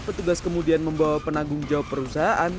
petugas kemudian membawa penanggung jawab perusahaan